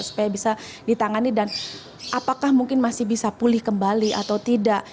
supaya bisa ditangani dan apakah mungkin masih bisa pulih kembali atau tidak